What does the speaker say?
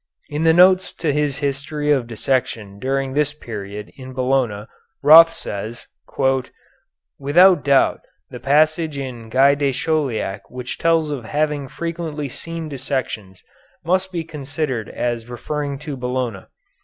In the notes to his history of dissection during this period in Bologna Roth says: "Without doubt the passage in Guy de Chauliac which tells of having frequently seen dissections, must be considered as referring to Bologna.